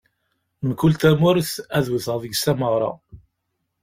Mkul tamurt, ad wteɣ deg-s tameɣra.